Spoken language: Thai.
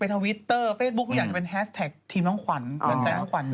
ไปทาวิตเตอร์เฟสบุ๊คพูดอย่างจะเป็นแฮชแท็กทีมน้องขวันนี่